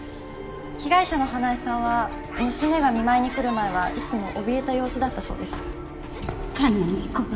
被害者の花恵さんは娘が見舞いに来る前はいつも怯えた様子だったそうです。